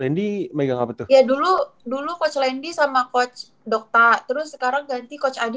terus sekarang ganti coach adi